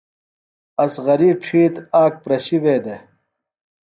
اصغری ڇھیتر آک پرشی وے دےۡ ۔